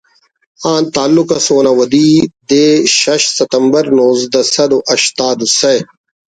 آن تعلق ئس اونا ودی دے شش ستمبر نوزدہ سد ہشتاد و سہ